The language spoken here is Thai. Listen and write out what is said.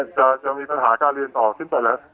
จะมีปัญหาการเรียนออกขึ้นไปแล้ว